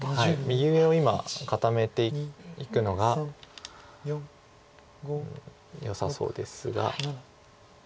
右上を今固めていくのがよさそうですが。